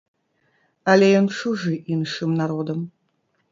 Але ён чужы іншым народам.